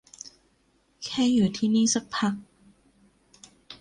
แค่อยู่ที่นี่สักพัก